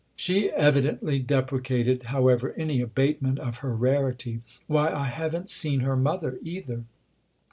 She evidently deprecated, however, any abate ment of her rarity. "Why, I haven't seen her mother, either."